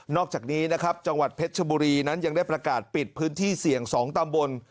อกจากนี้นะครับจังหวัดเพชรชบุรีนั้นยังได้ประกาศปิดพื้นที่เสี่ยง๒ตำบล